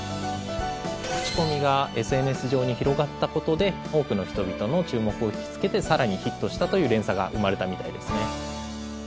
口コミがＳＮＳ上に広がったことで多くの人々の注目を引きつけて更にヒットしたという連鎖が生まれたみたいですね。